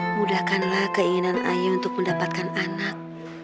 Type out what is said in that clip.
mudahkanlah keinginan ayah untuk mendapatkan anak